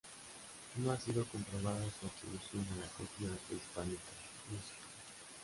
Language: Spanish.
No ha sido comprobada su atribución a la cultura prehispánica muisca.